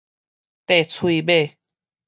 綴喙尾